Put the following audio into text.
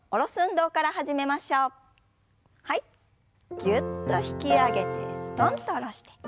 ぎゅっと引き上げてすとんと下ろして。